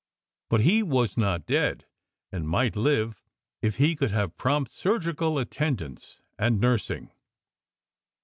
But he was not dead, and might live if he could have prompt surgical attendance and nursing.